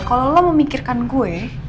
kalau lo memikirkan gue